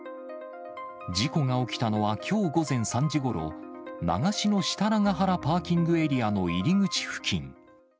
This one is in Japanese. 事故が起きたのは、きょう午前３時ごろ、長篠設楽原パーキングエリアの入り口付近。